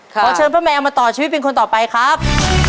ขอเชิญป้าแมวมาต่อชีวิตเป็นคนต่อไปครับ